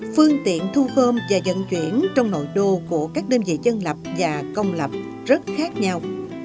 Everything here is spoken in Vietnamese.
phương tiện thu gom và dận chuyển trong nội đô của các đơn vị dân lập và công lập rất khác nhau